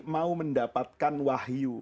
mau mendapatkan wahyu